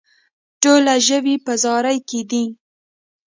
ټوله ژوي په زاري کې دي.